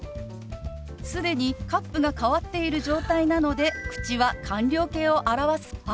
既にカップが変わっている状態なので口は完了形を表す「パ」。